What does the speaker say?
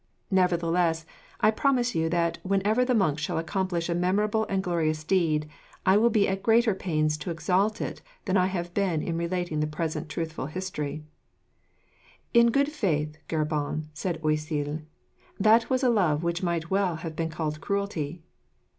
Nevertheless, I promise you that, whenever the monks shall accomplish a memorable and glorious deed, I will be at greater pains to exalt it than I have been in relating the present truthful history." "In good faith, Geburon," said Oisille, "that was a love which might well have been called cruelty."